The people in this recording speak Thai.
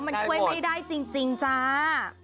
มันช่วยไม่ได้จริงจ้า